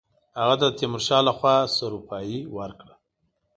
هغه ته د تیمورشاه له خوا سروپايي ورکړه.